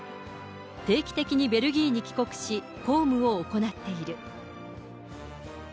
定期的にベルギーに帰国し、公務を行っている。